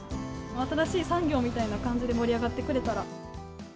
新しい産業みたいな感じで盛り上がってくれたら。